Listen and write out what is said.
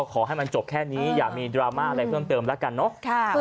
ขอให้มันจบแค่นี้อย่ามีดราม่าอะไรเพิ่มเติมแล้วกันเนอะ